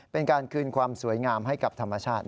เป็นการคืนความสวยงามให้กับธรรมชาติ